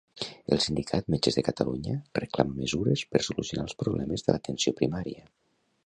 El sindicat Metges de Catalunya reclama mesures per solucionar els problemes de l'atenció primària.